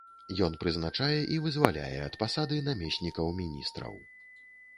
Ён прызначае і вызваляе ад пасады намеснікаў міністраў.